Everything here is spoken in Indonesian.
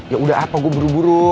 ya udah apa gue buru buru